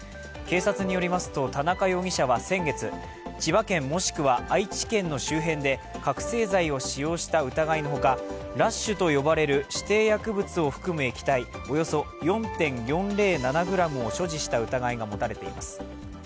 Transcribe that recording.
警察によりますと、田中容疑者は先月、千葉県もしくは愛知県の周辺で覚醒剤を使用した疑いのほかＲＵＳＨと呼ばれる指定薬物を含む液体、およそ４．４０７ｇを所持した疑いが持たれています。